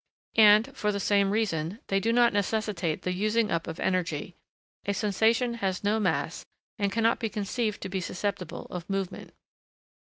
And, for the same reason, they do not necessitate the using up of energy; a sensation has no mass and cannot be conceived to be susceptible of movement.